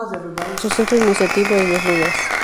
Su centro administrativo es Los Lunas.